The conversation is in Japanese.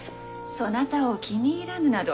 そなたを気に入らぬなど